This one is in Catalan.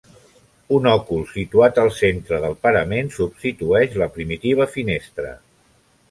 Un òcul situat al centre del parament substitueix la primitiva finestra.